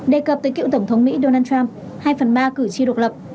đề cập tới cựu tổng thống mỹ donald trump hai phần ba cử tri độc lập